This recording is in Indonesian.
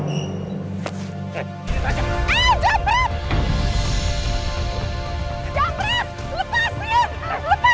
eh jangan beres